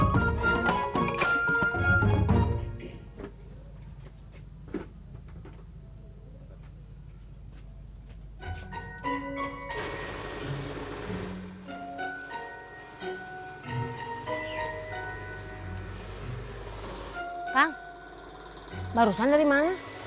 bang barusan dari mana